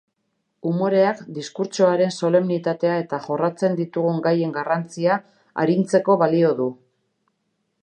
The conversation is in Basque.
Umoreak diskurtsoaren solemnitatea eta jorratzen ditugun gaien garrantzia arintzeko balio du.